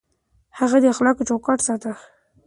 هغه د اخلاقو چوکاټ ساته.